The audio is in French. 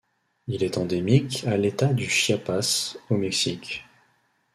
Il est endémique à l'état du Chiapas au Mexique.